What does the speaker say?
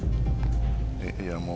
いやもう。